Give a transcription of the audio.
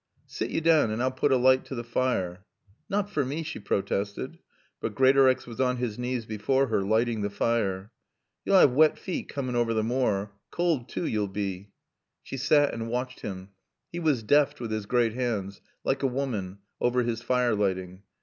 "Sit yo' down and I'll putt a light to the fire." "Not for me," she protested. But Greatorex was on his knees before her, lighting the fire. "You'll 'ave wet feet coomin' over t' moor. Cauld, too, yo'll be." She sat and watched him. He was deft with his great hands, like a woman, over his fire lighting.